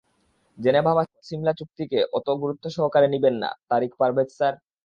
Geneva বা সিমলা চুক্তিকে অতো গুরুত্ব সহকারে নিবেন না, তারিক পারভেজ স্যার।